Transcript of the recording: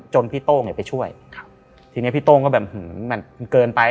พี่โต้งไปช่วยครับทีนี้พี่โต้งก็แบบมันเกินไป